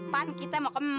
pan kita mau ke